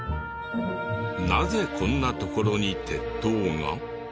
なぜこんな所に鉄塔が？